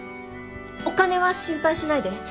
お金は心配しないで。